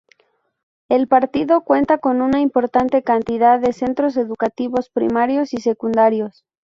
El Partido cuenta con una importante cantidad de centros educativos primarios y secundarios.